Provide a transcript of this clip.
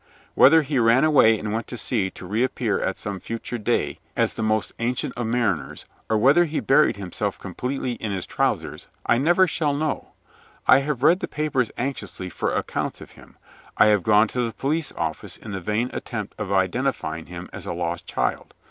Whether he ran away and went to sea to reappear at some future day as the most ancient of mariners, or whether he buried himself completely in his trousers, I never shall know. I have read the papers anxiously for accounts of him. I have gone to the Police Office in the vain attempt of identifying him as a lost child.